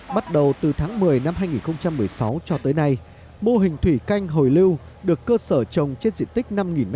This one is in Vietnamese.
bắt đầu từ tháng một mươi năm hai nghìn một mươi sáu cho tới nay mô hình thủy canh hồi lưu được cơ sở trồng trên diện tích năm m hai